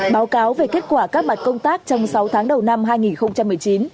báo cáo về kết quả các mặt công tác trong sáu tháng đầu năm hai nghìn một mươi chín